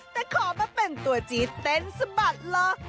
แต่ขอมาเป็นตัวจี๊ดเต้นสะบัดเลย